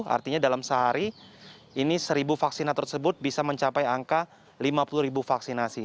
artinya dalam sehari ini seribu vaksinator tersebut bisa mencapai angka lima puluh ribu vaksinasi